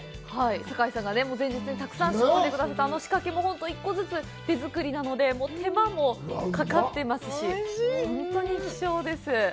酒井さんが前日にたくさん仕込んでくれてた仕掛けも１個ずつ手作りなので、手間もかかってますし、本当に希少です。